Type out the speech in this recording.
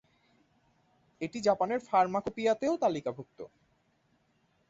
এটি জাপানের ফার্মাকোপিয়াতেও তালিকাভুক্ত।